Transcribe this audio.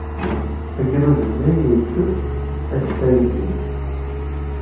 Agrud-nni ittess akeffay-nni.